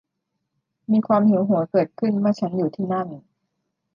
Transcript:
มีความหิวโหยเกิดขึ้นเมื่อฉันอยู่ที่นั่น